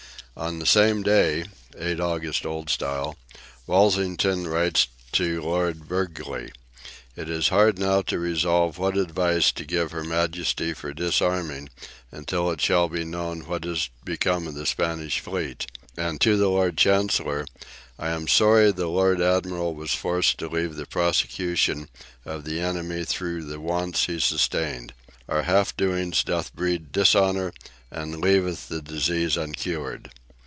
On the same day (8 August, Old Style) Walsingham writes to Lord Burghley: "It is hard now to resolve what advice to give Her Majesty for disarming, until it shall be known what is become of the Spanish fleet"; and to the Lord Chancellor: "I am sorry the Lord Admiral was forced to leave the prosecution of the enemy through the wants he sustained. Our half doings doth breed dishonour and leaveth the disease uncured."